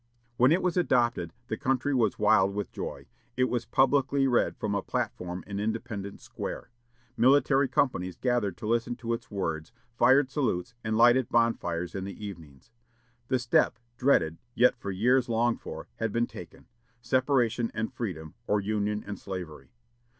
When it was adopted, the country was wild with joy. It was publicly read from a platform in Independence Square. Military companies gathered to listen to its words, fired salutes, and lighted bonfires in the evenings. The step, dreaded, yet for years longed for, had been taken separation and freedom, or union and slavery.